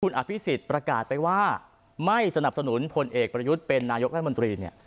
อภิษฎประกาศไปว่าไม่สนับสนุนพลเอกประยุทธ์เป็นนายกรัฐมนตรีเนี่ย